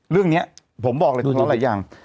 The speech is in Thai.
เรื่องเนี่ยผมบอกเลยคือมันสะท้อนหลายอย่าง